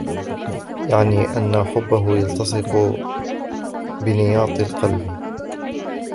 يَعْنِي أَنَّ حُبَّهُ يَلْتَصِقُ بِنِيَاطِ الْقَلْبِ